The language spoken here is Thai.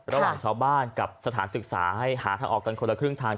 ระหว่างชาวบ้านกับสถานศึกษาให้หาทางออกกันคนละครึ่งทาง